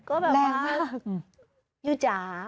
ก็แบบว่ายูจ๋า